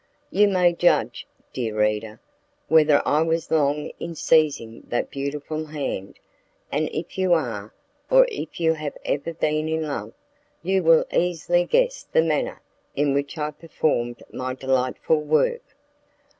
You may judge, dear reader, whether I was long in seizing that beautiful hand, and if you are, or if you have ever been in love, you will easily guess the manner in which I performed my delightful work.